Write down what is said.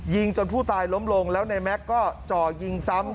จนผู้ตายล้มลงแล้วในแม็กซ์ก็จ่อยิงซ้ำ